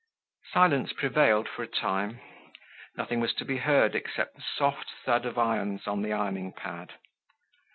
Silence prevailed for a time. Nothing was to be heard except the soft thud of irons on the ironing pad.